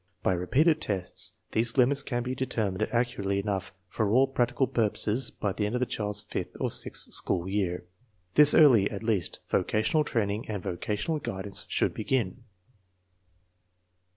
By repeated tests these limits can be determined accurately enough for all practical purposes by the end of the child's fifth or sixth school year. This early, at least, vocational training and vocational guidance should begin.